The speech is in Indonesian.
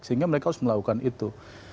sehingga mereka harus melakukan itu